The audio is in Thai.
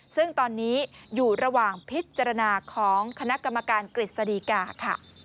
ซึ่งตอนนี้อยู่ระหว่างพิจารณาของคณะกรรมการกฤษฎีกาค่ะ